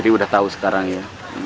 jadi udah tau sekarang ya